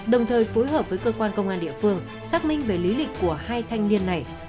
đồng thời phối hợp với cơ quan công an địa phương xác minh về lý lịch của hai thanh niên này